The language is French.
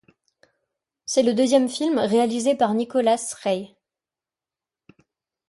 C'est le deuxième film réalisé par Nicholas Ray.